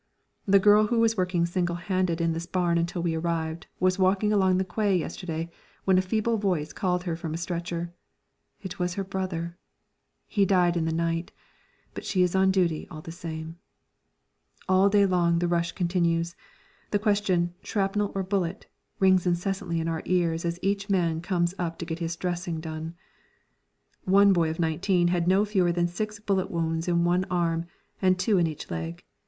The girl who was working single handed in this barn until we arrived was walking along the quay yesterday when a feeble voice called her from a stretcher. It was her brother. He died in the night, but she is on duty all the same. All day long the rush continues. The question "Shrapnel or bullet?" rings incessantly in our ears as each man comes up to get his dressing done. One boy of nineteen had no fewer than six bullet wounds in one arm and two in each leg.